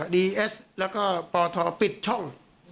ดีเอสแล้วก็ปทปิดช่อง